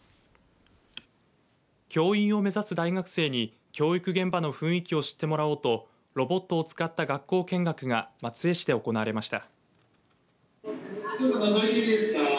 教員を目指す大学生に教育現場の雰囲気を知ってもらおうとロボットを使った学校見学が松江市で行われました。